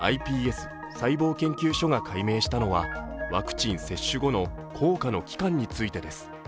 京都大学のｉＰＳ細胞研究所が解明したのはワクチン接種後の効果の期間についてです。